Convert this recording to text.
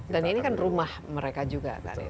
dan ini kan rumah mereka juga